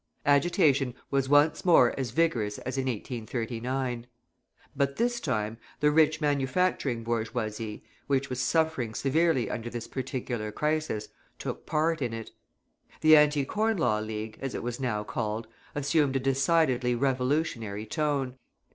Agitation was once more as vigorous as in 1839. But this time the rich manufacturing bourgeoisie, which was suffering severely under this particular crisis, took part in it. The Anti Corn Law League, as it was now called, assumed a decidedly revolutionary tone.